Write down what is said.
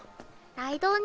ライドウ